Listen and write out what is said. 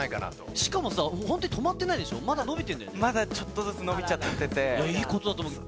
しかもさ、本当に止まってなまだちょっとずつ伸びちゃっいいことだと思うけど。